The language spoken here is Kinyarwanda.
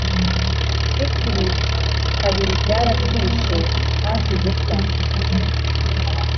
Bikiri kabiri byaratwishe hafi gupfa